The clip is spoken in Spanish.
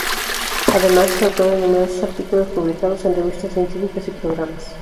Además es autor de numerosos artículos publicados en revistas científicas y programas.